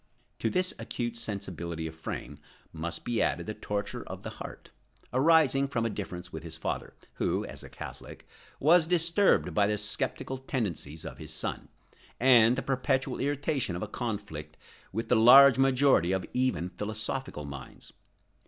To this acute sensibility of frame must be added the torture of the heart arising from a difference with his father, who, as a Catholic, was disturbed by the skeptical tendencies of his son, and the perpetual irritation of a conflict with the large majority of even philosophical minds.